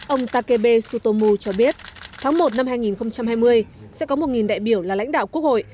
ông takebe tsutomu cho biết tháng một năm hai nghìn hai mươi sẽ có một đại biểu là lãnh đạo quốc hội